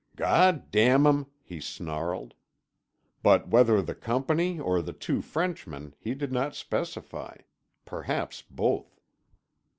"God damn 'em!" he snarled. But whether the Company or the two Frenchmen he did not specify—perhaps both.